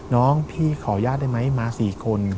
น้องพี่ขออนุญาตได้ไหมมา๔คน